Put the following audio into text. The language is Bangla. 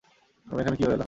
আমি এখানে কীভাবে এলাম?